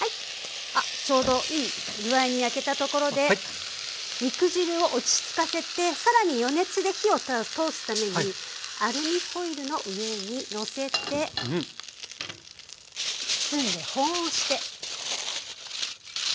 あちょうどいい具合に焼けたところで肉汁を落ち着かせて更に余熱で火を通すためにアルミホイルの上にのせて包んで保温をしておきます。